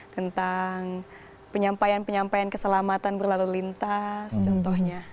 tentang penyampaian penyampaian keselamatan berlalu lintas contohnya